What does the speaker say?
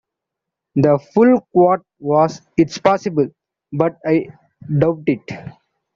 The full quote was It's possible, but I doubt it.